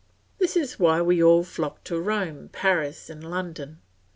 This is why we all flock to Rome, Paris, and London.